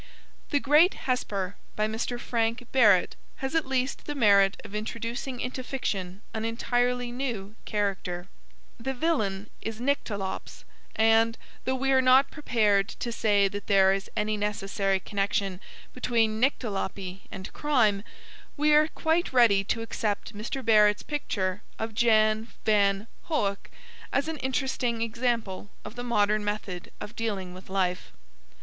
The Great Hesper, by Mr. Frank Barrett, has at least the merit of introducing into fiction an entirely new character. The villain is Nyctalops, and, though we are not prepared to say that there is any necessary connection between Nyctalopy and crime, we are quite ready to accept Mr. Barrett's picture of Jan Van Hoeck as an interesting example of the modern method of dealing with life.